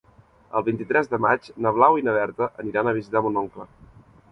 El vint-i-tres de maig na Blau i na Berta aniran a visitar mon oncle.